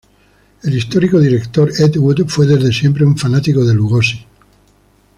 El histórico director Ed Wood fue desde siempre un fanático de Lugosi.